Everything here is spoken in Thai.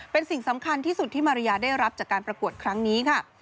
เป็นสิ่งสำคัญที่สุดที่มาริยาได้รับจากการประกวดครั้งนี้ค่ะ